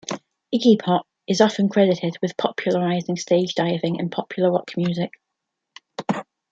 Iggy Pop is often credited with popularising stage diving in popular rock music.